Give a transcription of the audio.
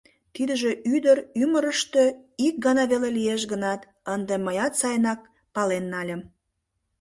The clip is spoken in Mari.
Тидыже ӱдыр ӱмырыштӧ ик гана веле лиеш гынат, ынде мыят сайынак пален нальым...